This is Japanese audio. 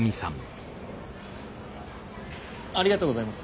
ありがとうございます。